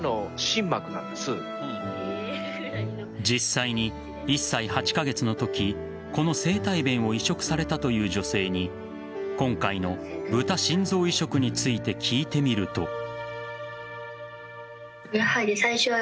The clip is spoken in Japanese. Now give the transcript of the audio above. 実際に１歳８カ月のときこの生体弁を移植されたという女性に今回のブタ心臓移植について聞いてみると。